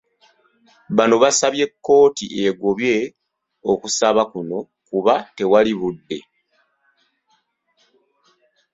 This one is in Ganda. Bano basabye kkooti egobe okusaba kuno kuba tewali budde.